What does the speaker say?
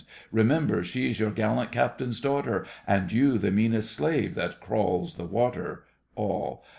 Remember, she's your gallant captain's daughter, And you the meanest slave that crawls the water! ALL.